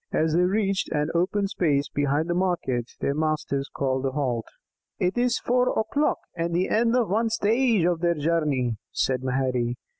As they reached an open space behind the market their masters called a halt. "It is four o'clock, and the end of one stage of their journey," said Maherry.